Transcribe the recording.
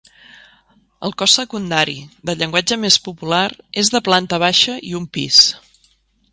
El cos secundari, de llenguatge més popular, és de planta baixa i un pis.